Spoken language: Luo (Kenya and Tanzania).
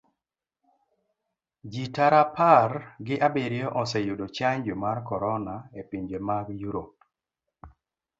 Ji tara apar gi abiriyo oseyudo chanjo mar korona epinje mag europe.